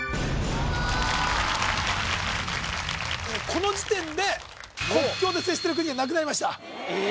この時点で国境で接している国がなくなりましたえ！